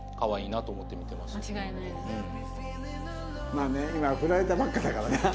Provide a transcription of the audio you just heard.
まあね今振られたばっかだからな。